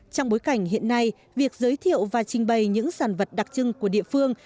trong bối cảnh hiện nay việc giới thiệu và trình bày những sản vật đặc trưng của địa phương